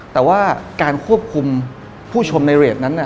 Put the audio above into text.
แต่ว่าการควบคุมผู้ชมในเรทนั้น